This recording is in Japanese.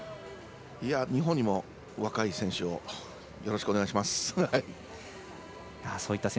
日本にも若い選手をよろしくお願いします。